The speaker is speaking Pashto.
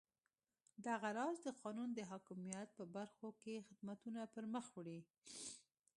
دغه راز د قانون د حاکمیت په برخو کې خدمتونه پرمخ وړي.